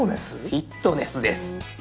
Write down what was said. フィットネスです。